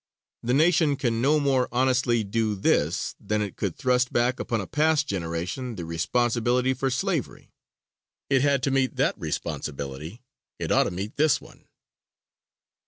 The nation can no more honestly do this than it could thrust back upon a past generation the responsibility for slavery. It had to meet that responsibility; it ought to meet this one.